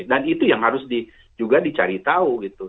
dan itu yang harus juga dicari tahu